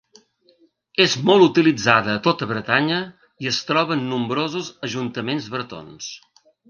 És molt utilitzada a tota Bretanya i es troba en nombrosos ajuntaments bretons.